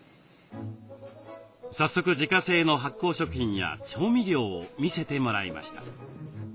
早速自家製の発酵食品や調味料を見せてもらいました。